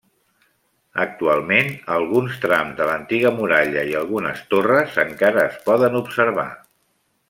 Actualment alguns trams de l'antiga muralla i algunes torres encara es poden observar.